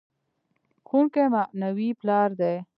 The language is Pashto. ښوونکی معنوي پلار دی.